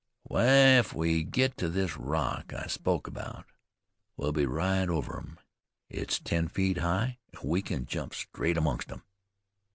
"Wai, if we get to this rock I spoke 'bout, we'll be right over 'em. It's ten feet high, an' we can jump straight amongst 'em.